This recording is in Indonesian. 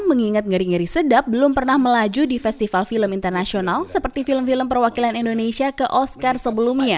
mengingat ngeri ngeri sedap belum pernah melaju di festival film internasional seperti film film perwakilan indonesia ke oscar sebelumnya